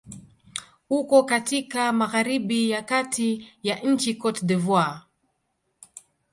Uko katika magharibi ya kati ya nchi Cote d'Ivoire.